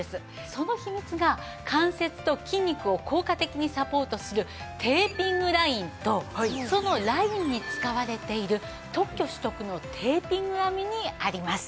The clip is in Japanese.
その秘密が関節と筋肉を効果的にサポートするテーピングラインとそのラインに使われている特許取得のテーピング編みにあります。